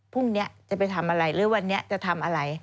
พรุ่งนี้จะไปทำอะไรหรือวันนี้จะทำอะไร